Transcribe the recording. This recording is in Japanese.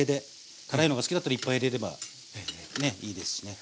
辛いのが好きだったらいっぱい入れればねいいですしね。